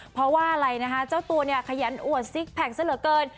เพราะว่าอะไรนะคะเจ้าตัวเนี่ยขยันอวดซิกแพคซะเหลือเกิน